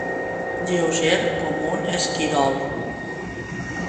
Lleuger com un esquirol.